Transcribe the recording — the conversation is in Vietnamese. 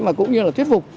mà cũng như là thuyết phục